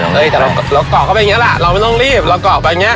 ดูมันออกรถ